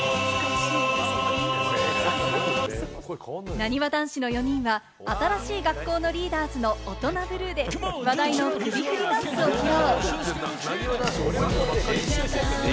なにわ男子の４人は、新しい学校のリーダーズの『オトナブルー』で話題の首振りダンスを披露。